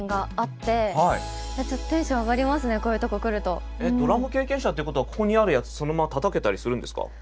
私えっ？ドラム経験者っていうことはここにあるやつそのままたたけたりするんですか？